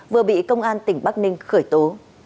vừa bị công an tỉnh bắc ninh khởi tố